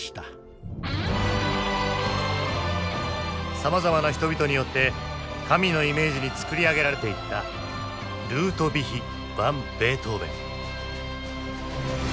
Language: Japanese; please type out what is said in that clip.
さまざまな人々によって神のイメージに作り上げられていったルートヴィヒ・ヴァン・ベートーヴェン。